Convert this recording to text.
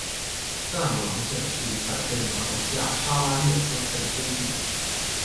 淡武廊县是一块被马来西亚砂拉越割开的飞地。